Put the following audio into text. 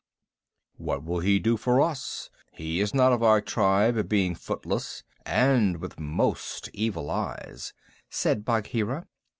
"What will he do for us? He is not of our tribe, being footless and with most evil eyes," said Bagheera.